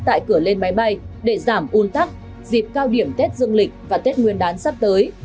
tại cửa lên máy bay để giảm un tắc dịp cao điểm tết dương lịch và tết nguyên đán sắp tới